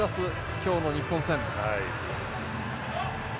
今日の日本戦。